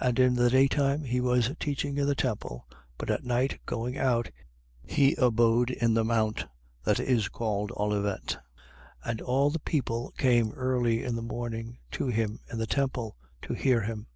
21:37. And in the daytime, he was teaching in the temple: but at night going out, he abode in the mount that is called Olivet. 21:38. And all the people came early in the morning to him in the temple, to hear him.